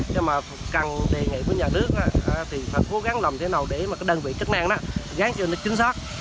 nhưng mà cần đề nghị với nhà nước thì phải cố gắng lòng thế nào để đơn vị chức năng gắn cho nó chứng soát